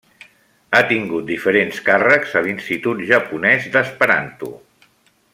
Ha tingut diferents càrrecs a l'Institut Japonès d'Esperanto.